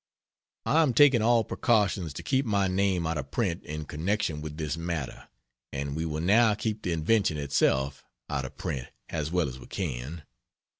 I am taking all precautions to keep my name out of print in connection with this matter. And we will now keep the invention itself out of print as well as we can.